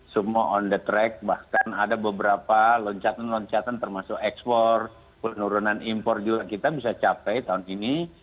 semua on the track bahkan ada beberapa loncatan loncatan termasuk ekspor penurunan impor juga kita bisa capai tahun ini